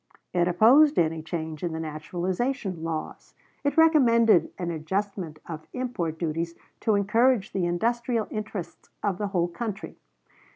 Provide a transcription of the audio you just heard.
It opposed any change in the naturalization laws. It recommended an adjustment of import duties to encourage the industrial interests of the whole country.